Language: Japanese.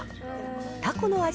たこの味